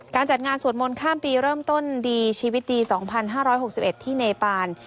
จัดงานสวดมนต์ข้ามปีเริ่มต้นดีชีวิตดี๒๕๖๑ที่เนปาน